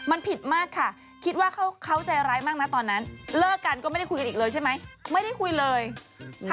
อันนี้เขาก็ไม่รู้ไงเลยโกรธทำให้เขาไม่พูดกับเราตรง